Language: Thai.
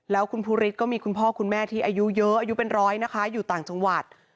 แล้วคุณภูริสก็มีคุณพ่อคุณแม่ที่อายุเยอะอายุเป็นร้อยนะคะอยู่ต่างจังหวัด